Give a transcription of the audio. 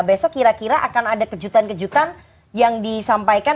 besok kira kira akan ada kejutan kejutan yang disampaikan